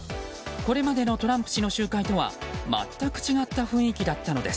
これまでのトランプ氏の集会とは全く違った雰囲気だったのです。